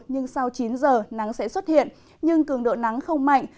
nhưng sau chín giờ nắng sẽ xuất hiện nhưng cường độ nắng không mạnh